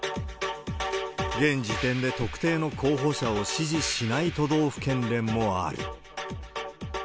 現時点で特定の候補者を支持しない都道府県連もある。